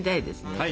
はい！